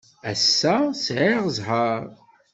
Ass-a, sɛiɣ zzheṛ.